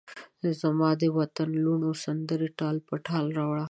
زمادوطن لوڼوته سندرې تال په تال راوړه